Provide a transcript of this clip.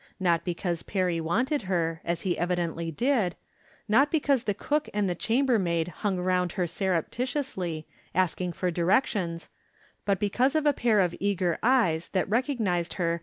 Not because Perry wanted her, as he evidently did ; not be cause the cook and the chambermaid hung around her surreptitiously, asking for directions, but be cause of a pair of eager eyes that recognized her 194 From Different Standpoints.